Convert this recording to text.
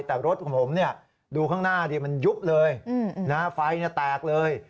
แต่รถของผมดูข้างหน้าเยอะเลยหน้าไฟแตกเลย